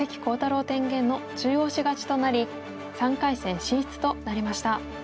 天元の中押し勝ちとなり３回戦進出となりました。